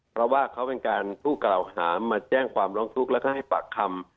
เพราะว่าเขาเป็นการผู้กล่าวหามาแจ้งความร้องทุกข์แล้วก็ให้ปากคำ